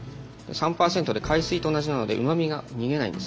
３％で海水と同じなのでうまみが逃げないんですね。